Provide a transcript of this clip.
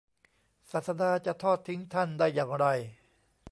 ศาสดาจะทอดทิ้งท่านได้อย่างไร